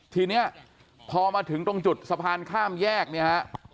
ทีนี้พอมาถึงตรงจุดสะพานข้ามแยกเนี่ยฮะ